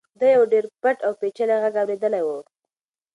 ده یو ډېر پټ او پېچلی غږ اورېدلی و.